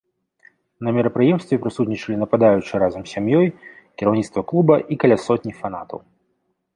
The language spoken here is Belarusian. На мерапрыемстве прысутнічалі нападаючы разам з сям'ёй, кіраўніцтва клуба і каля сотні фанатаў.